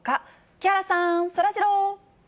木原さん、そらジロー。